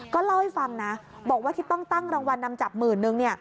ก็เล่าให้ฟังนะบอกว่าที่ต้องตั้งรางวัลนำจับหมื่นนึง